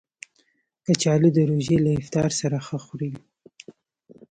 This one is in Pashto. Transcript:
کچالو د روژې له افطار سره ښه خوري